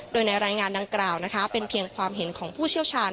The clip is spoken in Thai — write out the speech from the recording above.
โดยในรายงานดังกล่าวนะคะเป็นเพียงความเห็นของผู้เชี่ยวชาญ